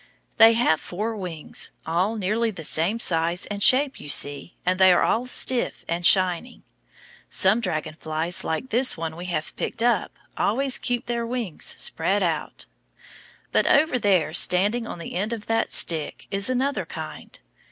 They have four wings, all nearly the same size and shape, you see, and they are all stiff and shining. Some dragon flies, like this one we have picked up, always keep their wings spread out. But over there, standing on the end of that stick, is another kind.